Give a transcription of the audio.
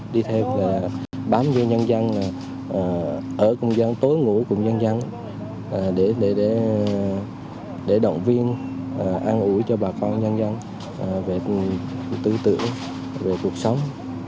đi theo và bám vô nhân dân ở cùng dân tối ngủ cùng dân dân để động viên an ủi cho bà con nhân dân về tư tưởng về cuộc sống